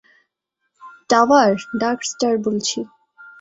Tower, Darkstar বলছি।